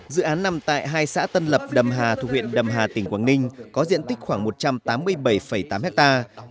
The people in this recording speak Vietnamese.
dự án nằm tại hai xã tân lập đầm hà thuộc huyện đầm hà tỉnh quảng ninh có diện tích khoảng một trăm tám mươi bảy tám hectare